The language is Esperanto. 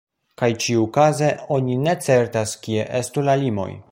Kaj ĉiukaze oni ne certas kie estu la limoj.